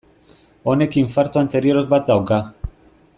Honek infarto anterior bat dauka.